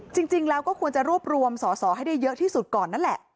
จริงแล้วก็ควรจะรวบรวมสอสอให้ได้เยอะที่สุดก่อนนั่นแหละ